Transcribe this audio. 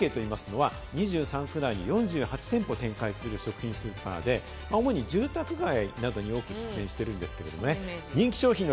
２３区内に４８店舗を展開する食品スーパーで、主に住宅街などに多く出店しているんですね。